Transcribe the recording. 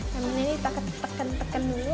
lemon ini kita tekan tekan dulu